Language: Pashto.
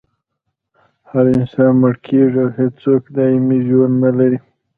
هر انسان مړ کیږي او هېڅوک دایمي ژوند نلري